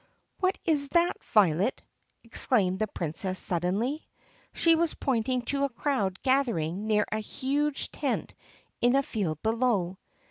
"What is that, Violet?" exclaimed the Princess suddenly. She was pointing to a crowd gathered near a huge tent in a field below.